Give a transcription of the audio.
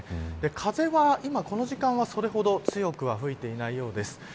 風は今この時間は、それほど強くは吹いていないようです。